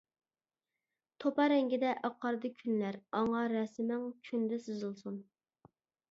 توپا رەڭگىدە ئاقاردى كۈنلەر ئاڭا رەسىمىڭ كۈندە سىزىلسۇن.